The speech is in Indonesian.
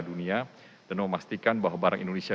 dunia dan memastikan bahwa barang indonesia